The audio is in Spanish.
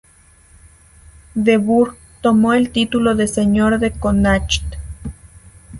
De Burgh Tomó el título de "Señor de Connacht".